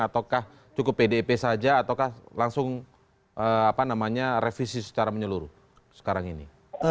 ataukah cukup pdip saja ataukah langsung revisi secara menyeluruh sekarang ini